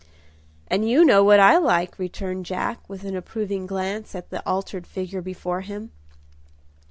"And you know what I like," returned Jack, with an approving glance at the altered figure before him.